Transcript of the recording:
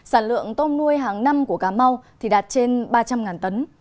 sản lượng tôm nuôi hàng năm của cà mau thì đạt trên ba trăm linh tấn